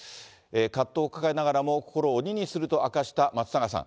葛藤を抱えながらも心を鬼にすると明かした松永さん。